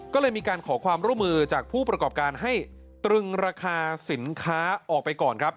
ก็เลยมีการขอความร่วมมือจากผู้ประกอบการให้ตรึงราคาสินค้าออกไปก่อนครับ